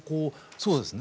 そうですね。